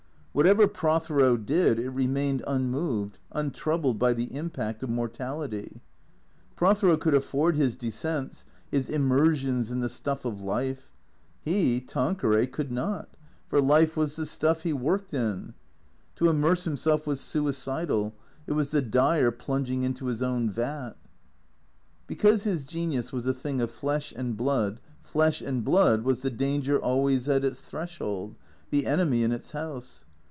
Whatever Prothero did it remained unmoved, un troubled by the impact of mortality. Prothero could afford his descents, his immersions in the stuff of life. He, Tanqueray, could not, for life was the stuff he worked in. To immerse him self was suicidal ; it was the dyer plunging into his own vat. Because his genius was a thing of flesh and blood, flesh and blood was the danger always at its threshold, the enemy in its house.